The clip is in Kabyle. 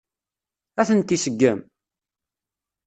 Ad tent-iseggem?